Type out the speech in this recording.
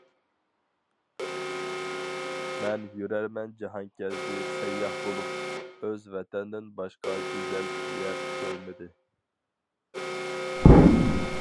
مەن يۈرەرمەن جاھانكەزدى سەيياھ بولۇپ، ئۆز ۋەتەندىن باشقا گۈزەل يەر كۆرمىدى!